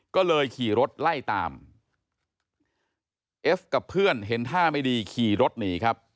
ก็เลยขี่รถไล่ตามเอฟกับเพื่อนเห็นท่าไม่ดีขี่รถหนีครับ